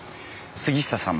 杉下さん